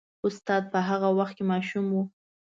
استاد په هغه وخت کې ماشوم و.